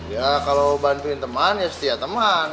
ya kalau bantuin teman ya setia teman